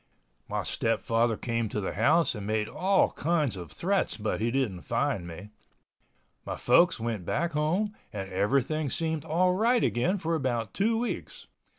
My stepfather came to the house and made all kinds of threats but he didn't find me. My folks went back home and everything seemed all right again for about two weeks.